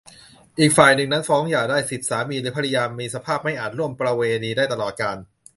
อีกฝ่ายหนึ่งนั้นฟ้องหย่าได้ สิบ สามีหรือภริยามีสภาพไม่อาจร่วมประเวณีได้ตลอดกาล